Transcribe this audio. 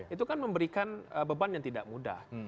itu kan memberikan beban yang tidak mudah